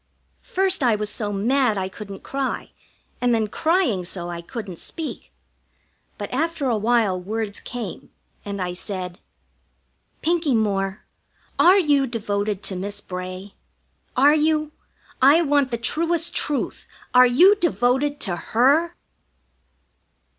First I was so mad I couldn't cry, and then crying so I couldn't speak. But after a while words came, and I said: "Pinkie Moore, are you devoted to Miss Bray? Are you? I want the truest truth. Are you devoted to her?"